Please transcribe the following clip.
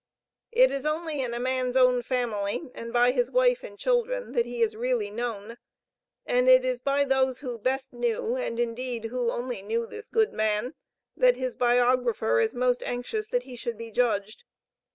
It is only in a man's own family and by his wife and children, that he is really known, and it is by those who best knew, and indeed, who only knew this good man, that his biographer is most anxious that he should be judged.